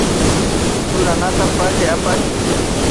Churanata pallay apachiy